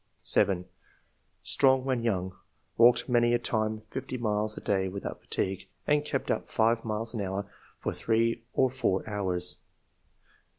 7. " Strong when young — ^walked many a time fifty miles a day without fatigue, and kept up five miles an hour for three or four hours. II.] QUALITIES.